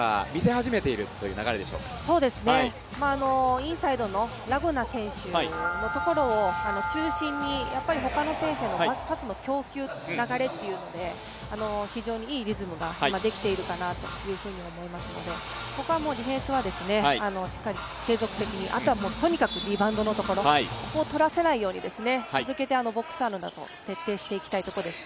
インサイドのラ・ゴナ選手のところを中心にほかの選手へのパスの供給、流れというので非常にいいリズムがいまできているかなと思いますので、ここはディフェンスはしっかり継続的に、あとはとにかくリバウンドのところを取らせないように続けてボックスの中を徹底していきたいところです。